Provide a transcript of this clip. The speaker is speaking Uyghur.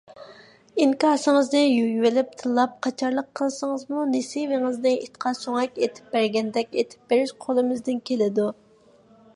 ئىنكاسىڭىزنى يۇيۇۋېلىپ تىللاپ قاچارلىق قىلسىڭىزمۇ نېسىۋېڭىزنى ئىتقا سۆڭەك ئېتىپ بەرگەندەك ئېتىپ بېرىش قولىمىزدىن كېلىدۇ.